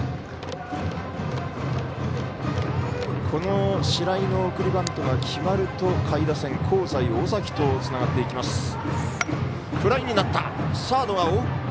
この白井の送りバントが決まると下位打線、香西、尾崎とつながっていきます。